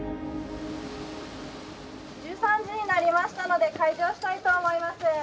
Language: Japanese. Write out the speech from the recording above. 「１３時になりましたので開場したいと思います。